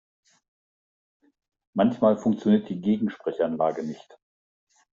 Manchmal funktioniert die Gegensprechanlage nicht.